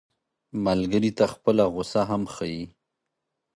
ملګری ته خپله غوسه هم ښيي